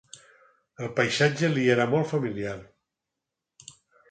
El paisatge li era molt familiar.